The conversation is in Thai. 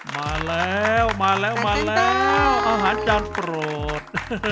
มาแล้วอาหารจานโปรด